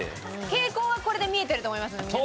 傾向はこれで見えてると思いますので皆さん。